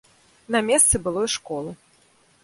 На месцы былой школы.